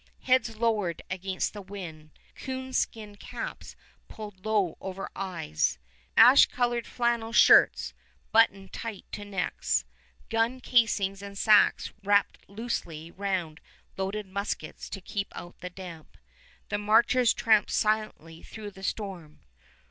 Heads lowered against the wind, coonskin caps pulled low over eyes, ash colored flannel shirts buttoned tight to necks, gun casings and sacks wrapped loosely round loaded muskets to keep out the damp, the marchers tramped silently through the storm.